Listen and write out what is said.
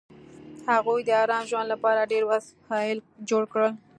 هغوی د ارام ژوند لپاره ډېر وسایل جوړ کړل